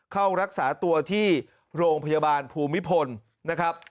เข้ารักษาตัวที่โรงพยาบาลภูมิพลนะครับ